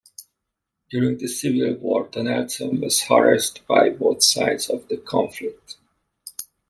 During the Civil War, Donelson was harassed by both sides of the conflict.